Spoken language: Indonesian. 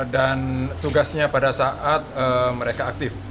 dan tugasnya pada saat mereka aktif